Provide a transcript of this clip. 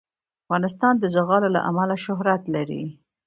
افغانستان د زغال له امله شهرت لري.